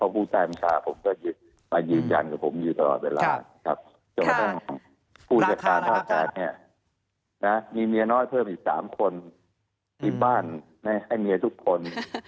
ภูมิจัดการภาพแจกนี้มีเมียน้อยเพิ่ม๑๓คนมีบ้านให้เมียทุกคน